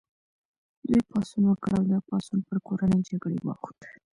دوی پاڅون وکړ او دا پاڅون پر کورنۍ جګړې واوښت.